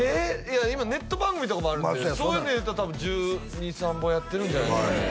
いや今ネット番組とかもあるんでそういうの入れると多分１２１３本やってるんじゃないですかね